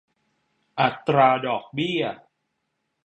อัตราดอกเบี้ย